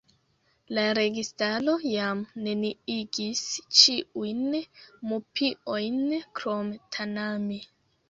La registaro jam neniigis ĉiujn mupiojn krom Tanami.